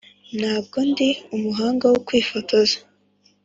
ntabwo ndi umuhanga wo kwifotoza.